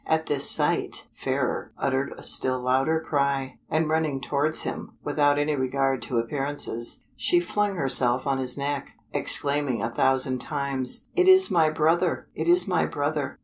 At this sight Fairer uttered a still louder cry, and running towards him, without any regard to appearances, she flung herself on his neck, exclaiming a thousand times, "It is my brother! it is my brother."